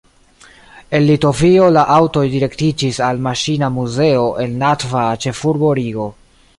El Litovio la aŭtoj direktiĝis al maŝina muzeo en latva ĉefurbo Rigo.